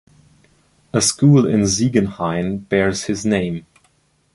A school in Ziegenhain bears his name.